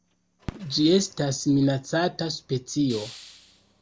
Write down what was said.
Ĝi estas minacata specio.